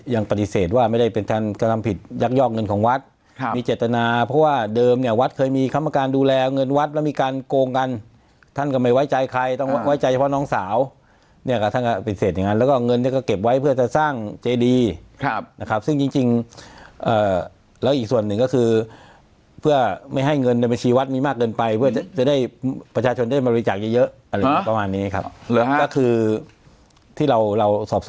ยังปฏิเสธว่าไม่ได้เป็นท่านก็ทำผิดยักยอกเงินของวัดครับมีเจตนาเพราะว่าเดิมเนี้ยวัดเคยมีคำอาการดูแลเงินวัดแล้วมีการโกงกันท่านก็ไม่ไว้ใจใครต้องไว้ใจเฉพาะน้องสาวเนี้ยก็ท่านก็ปฏิเสธอย่างนั้นแล้วก็เงินเนี้ยก็เก็บไว้เพื่อจะสร้างเจดีครับนะครับซึ่งจริงจริงเอ่อแล้วอีกส